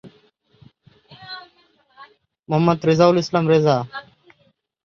তিনি ছিলেন মির্জা ইব্রাহীম হোসেনের পুত্র।